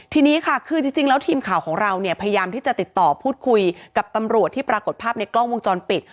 ทีนี้ค่ะคือจริงแล้วทีมข่าวของเราเนี่ยพยายามที่จะติดต่อพูดคุยกับตำรวจที่ปรากฏภาพในกล้องวงจรปิด